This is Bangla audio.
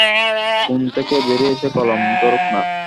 কোণ থেকে বেরিয়ে এসে কলম ধরুক না।